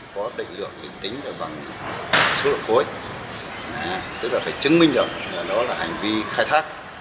số lượng khối tức là phải chứng minh đó là hành vi khai thác